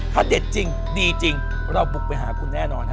ถ้าเด็ดจริงดีจริงเราบุกไปหาคุณแน่นอนฮะ